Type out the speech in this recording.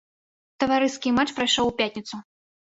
Таварыскі матч прайшоў у пятніцу.